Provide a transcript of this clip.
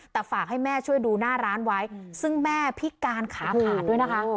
แต่ฝากให้แม่ช่วยดูหน้าร้านไว้ซึ่งแม่พิการขาขาดด้วยนะคะ